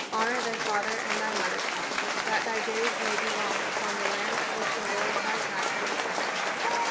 " Honour thy father and thy mother: that thy days may be long upon the land which the Lord thy God giveth thee.